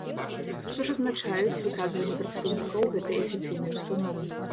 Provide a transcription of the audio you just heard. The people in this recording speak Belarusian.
Што ж азначаюць выказванні прадстаўнікоў гэтай афіцыйнай установы?